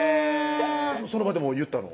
その場で言ったの？